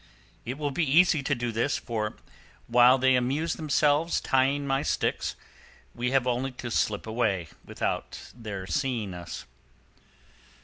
It will be easy to do this, for, while they amuse themselves tying my sticks, we have only to slip away without their seeing us."